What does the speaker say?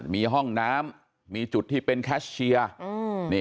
มีห้องน้ำมีจุดที่เป็นแคชเชียร์